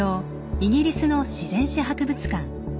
イギリスの自然史博物館。